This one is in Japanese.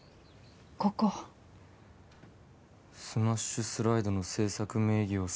ここ「「スマッシュスライド」の制作名義を」